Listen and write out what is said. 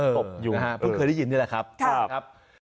นกตบยุงพึ่งเคยได้ยินเนี่ยแหละครับ